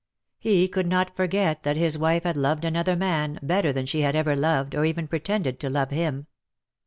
He could not forget that his wife had loved another man better than she had ever loved or even pretended to love him.